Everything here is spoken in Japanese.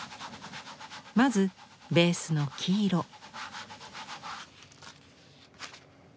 まずベースの黄色。